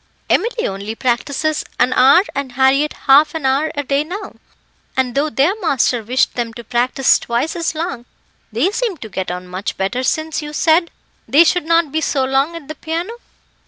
"Emily only practises an hour and Harriett half an hour a day now, and though their master wished them to practise twice as long, they seem to get on much better since you said they should not be so long at the piano."